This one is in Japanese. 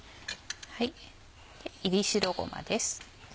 炒り白ごまです。